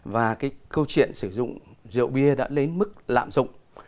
và cái câu chuyện sử dụng rượu bia đã đến mức lạm dụng